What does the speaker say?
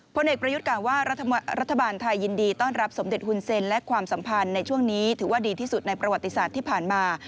พลเอกประยุทธ์กล่าวว่ารัฐบาลไทยยินดีต้อนรับสมเด็จฮุนเซ็นและความสัมพันธ์ในช่วงนี้ถือว่าดีที่สุดในประวัติศาสตร์ที่ผ่านมา